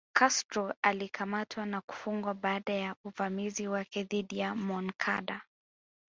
Castro alikamatwa na kufungwa baada ya uvamizi wake dhidi ya Moncada